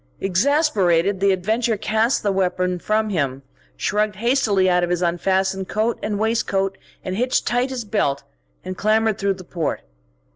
Exasperated, the adventurer cast the weapon from him, shrugged hastily out of his unfastened coat and waistcoat, hitched tight his belt, and clambered through the port.